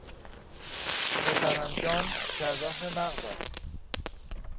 پسرم جان جراح مغز است.